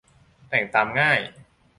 แต่งตามง่าย